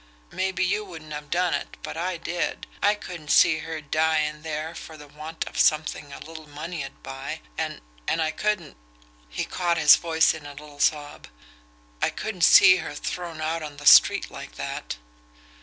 Maybe you wouldn't have done it but I did. I couldn't see her dying there for the want of something a little money'd buy and and I couldn't" he caught his voice in a little sob "I couldn't see her thrown out on the street like that."